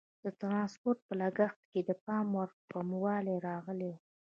د ټرانسپورټ په لګښت کې د پام وړ کموالی راغلی وو.